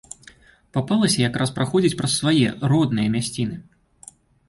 Папалася якраз праходзіць праз свае, родныя мясціны.